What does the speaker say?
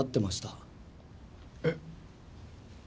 えっ？